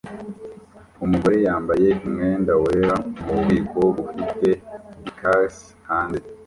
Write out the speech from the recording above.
Umugore yambaye umwenda wera mububiko bufite decals hanze